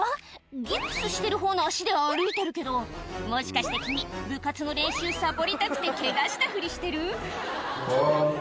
ギプスしてるほうの足で歩いてるけどもしかして君部活の練習サボりたくてケガしたふりしてる？